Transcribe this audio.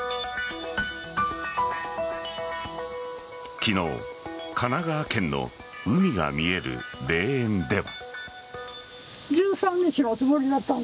昨日、神奈川県の海が見える霊園では。